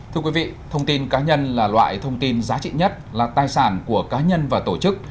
thưa quý vị thông tin cá nhân là loại thông tin giá trị nhất là tài sản của cá nhân và tổ chức